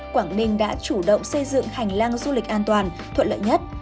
quảng ninh đã chủ động xây dựng hành lang du lịch an toàn thuận lợi nhất